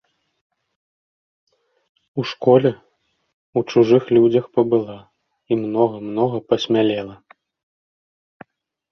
У школе, у чужых людзях пабыла і многа-многа пасмялела.